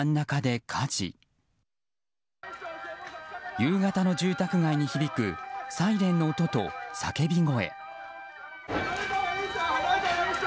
夕方の住宅街に響くサイレンの音と叫び声。